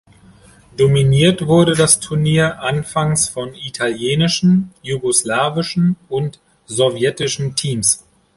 Dominiert wurde das Turnier anfangs von italienischen, jugoslawischen und sowjetischen Teams.